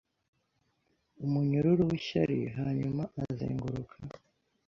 umunyururu wishyari Hanyuma azenguruka